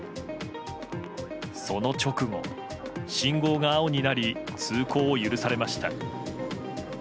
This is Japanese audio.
その直後、信号が青になり通行を許されました。